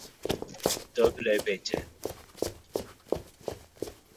А быть может, он действительно сумасшедший?